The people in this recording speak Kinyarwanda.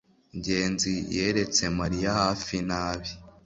ngenzi yeretse mariya hafi nabi